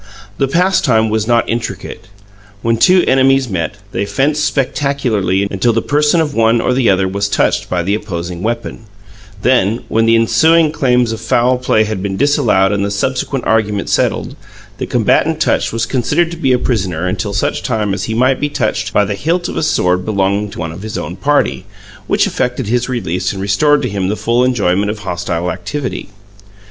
The pastime was not intricate. When two enemies met, they fenced spectacularly until the person of one or the other was touched by the opposing weapon; then, when the ensuing claims of foul play had been disallowed and the subsequent argument settled, the combatant touched was considered to be a prisoner until such time as he might be touched by the hilt of a sword belonging to one of his own party, which effected his release and restored to him the full enjoyment of hostile activity.